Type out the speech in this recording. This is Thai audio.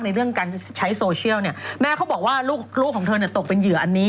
เรื่องการใช้โซเชียลเนี่ยแม่เขาบอกว่าลูกของเธอเนี่ยตกเป็นเหยื่ออันนี้